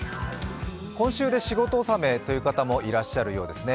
今週で仕事納めという方もいらっしゃるようですね。